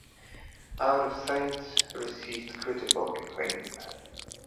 "Out of Sight" received critical acclaim.